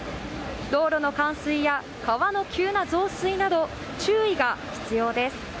道路の冠水や川の急な増水など注意が必要です。